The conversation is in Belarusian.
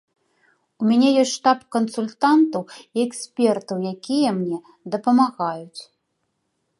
У мяне ёсць штаб кансультантаў і экспертаў, якія мне дапамагаюць.